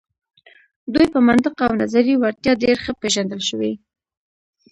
دوی په منطق او نظري وړتیا ډیر ښه پیژندل شوي.